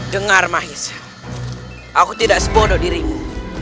dengar mahisa aku tidak sebodoh dirimu